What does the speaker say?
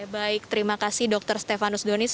baik terima kasih dokter stefanus donis